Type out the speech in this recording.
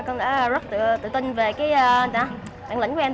con đã rất tự tin về cái bản lĩnh của em